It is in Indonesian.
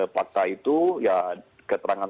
fakta itu ya keterangan